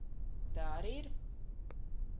Tā arī ir.